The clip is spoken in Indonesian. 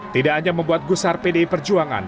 tidak hanya membuat gusar pdi perjuangan